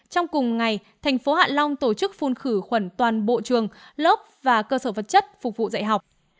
trong cùng ngày thành phố hạ long tổ chức phun khử khuẩn toàn bộ trường lớp và cơ sở vật chất phục vụ dạy học